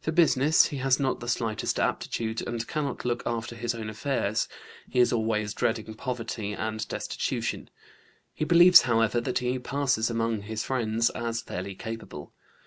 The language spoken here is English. For business he has not the slightest aptitude, and cannot look after his own affairs. He is always dreading poverty and destitution. He believes, however, that he passes among his friends as fairly capable.